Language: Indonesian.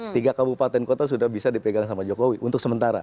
tiga kabupaten kota sudah bisa dipegang sama jokowi untuk sementara